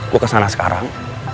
gua kesana sekarang